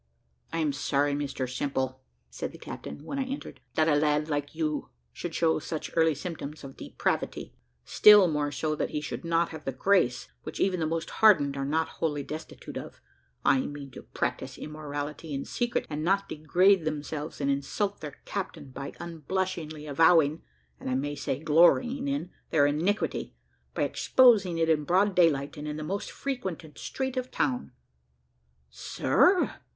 "I am sorry, Mr Simple," said the captain, when I entered, "that a lad like you should show such early symptoms of depravity; still more so, that he should not have the grace which even the most hardened are not wholly destitute of I mean to practise immorality in secret, and not degrade themselves and insult their captain by unblushingly avowing (I may say glorying in) their iniquity, by exposing it in broad day, and in the most frequented street of the town." "Sir!"